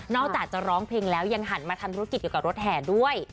อกจากจะร้องเพลงแล้วยังหันมาทำธุรกิจเกี่ยวกับรถแห่ด้วย